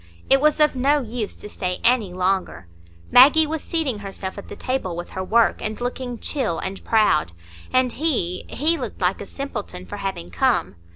It was of no use to stay any longer. Maggie was seating herself at the table with her work, and looking chill and proud; and he—he looked like a simpleton for having come.